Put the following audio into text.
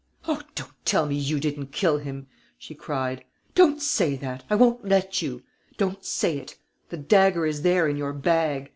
"Oh, don't tell me you didn't kill him!" she cried. "Don't say that: I won't let you. Don't say it. The dagger is there, in your bag.